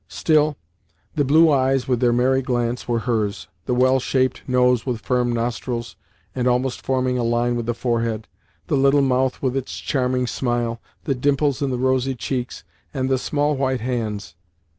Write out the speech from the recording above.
Still the blue eyes with their merry glance were hers, the well shaped nose with firm nostrils and almost forming a line with the forehead, the little mouth with its charming smile, the dimples in the rosy cheeks, and the small white hands.